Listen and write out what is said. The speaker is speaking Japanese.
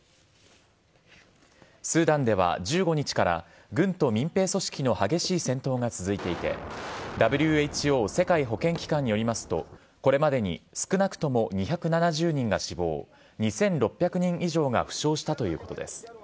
スーダンでは１５日から軍と民兵組織の激しい戦闘が続いていてＷＨＯ＝世界保健機関によりますとこれまでに少なくとも２７０人が死亡２６００人以上が負傷したということです。